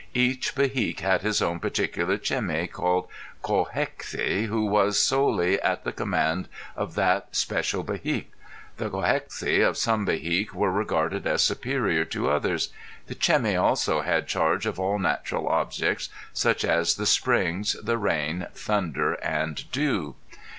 Each Behique had his own particular Cemi called Cochexi who was solely at the command of that special Behique; the Cochexi of some Behique, were regarded as superior to others. The Cemi also had charge of all natural objects such as the springs, the rain, thunder, and dew.